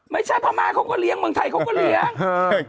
พม่าเขาก็เลี้ยงเมืองไทยเขาก็เลี้ยง